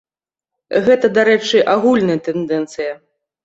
Гэта, дарэчы, агульная тэндэнцыя.